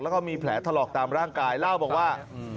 แล้วก็มีแผลถลอกตามร่างกายเล่าบอกว่า